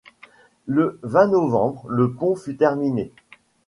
Le vingt novembre, le pont fut terminé